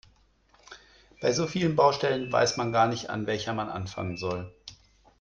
Bei so vielen Baustellen weiß man gar nicht, an welcher man anfangen soll.